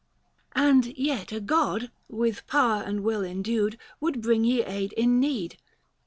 47 And yet a god, with power and will endued, Would bring ye aid in need.